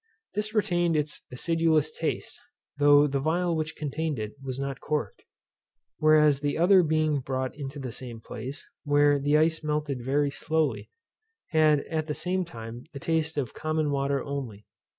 This retained its acidulous taste, though the phial which contained it was not corked; whereas the other being brought into the same place, where the ice melted very slowly, had at the same time the taste of common water only.